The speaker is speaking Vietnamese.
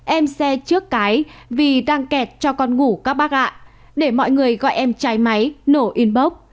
em xe trước cái vì đang kẹt cho con ngủ các bác lạ để mọi người gọi em trái máy nổ inbox